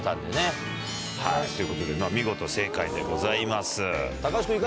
はいということでまぁ見事正解でございます。